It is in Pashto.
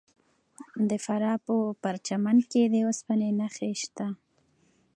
د فراه په پرچمن کې د وسپنې نښې شته.